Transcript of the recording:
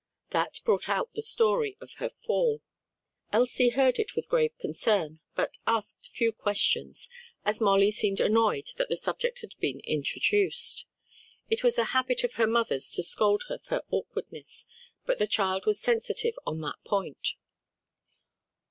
That brought out the story of her fall. Elsie heard it with grave concern but asked few questions as Molly seemed annoyed that the subject had been introduced. It was a habit of her mother's to scold her for awkwardness, and the child was sensitive on that point.